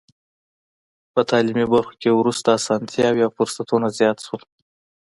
په تعلیمي برخو کې ورته اسانتیاوې او فرصتونه زیات شول.